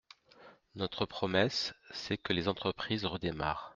Notre promesse, c’est que les entreprises redémarrent.